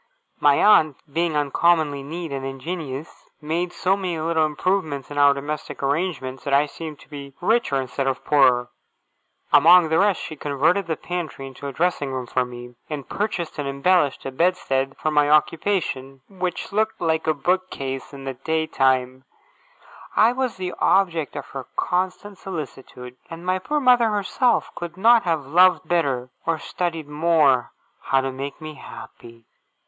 My aunt, being uncommonly neat and ingenious, made so many little improvements in our domestic arrangements, that I seemed to be richer instead of poorer. Among the rest, she converted the pantry into a dressing room for me; and purchased and embellished a bedstead for my occupation, which looked as like a bookcase in the daytime as a bedstead could. I was the object of her constant solicitude; and my poor mother herself could not have loved me better, or studied more how to make me happy.